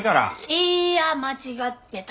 いいや間違ってた。